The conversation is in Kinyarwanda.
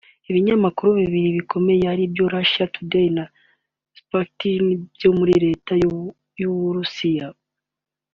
ibinyamakuru bibiri bikomeye aribyo Russia Today na Sputnik bya Leta y’u Burusiya